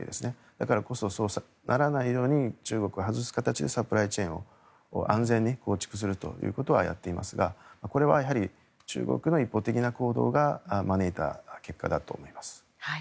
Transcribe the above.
だからこそ、そうならないように中国を外す形でサプライチェーンを安全に構築するということはやっていますがこれは、中国の一方的な行動が招いた結果だと思います。